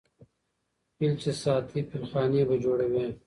ـ فيل چې ساتې فيلخانې به جوړوې.